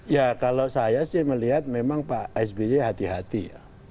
ya kalau saya sih melihat memang pak sby hati hati ya